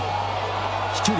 飛距離